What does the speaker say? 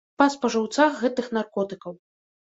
Па спажыўцах гэтых наркотыкаў.